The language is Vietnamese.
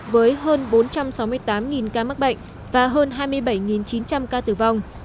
với hơn bốn trăm sáu mươi tám ca mắc bệnh và hơn hai mươi bảy chín trăm linh ca tử vong